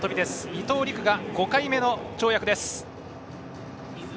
伊藤陸が５回目の跳躍です。